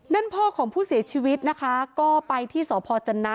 นั่นพ่อของผู้เสียชีวิตนะคะก็ไปที่สพจนะ